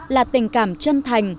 là tình cảm chân thành